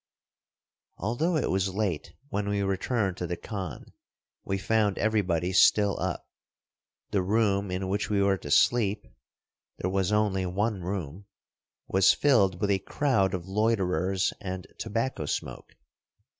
Although it was late when we returned to the khan, we found everybody still up. The room in which we were to sleep (there was only one room) was filled with a crowd of loiterers, and tobacco smoke.